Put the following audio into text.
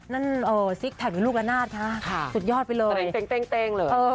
นั่นเออซิกแท็กเป็นลูกละนาดค่ะสุดยอดไปเลยเต้งเลย